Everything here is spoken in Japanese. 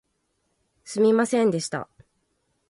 すみませんでした